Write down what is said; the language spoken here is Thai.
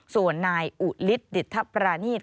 ส่วนนายอุดลิศดิธปราณีต